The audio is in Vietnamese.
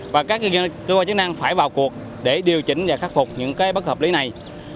và các cơ quan chức năng phải vào cuộc để điều chỉnh và khắc phục những bất hợp lý này